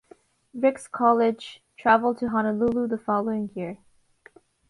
Ricks College traveled to Honolulu the following year.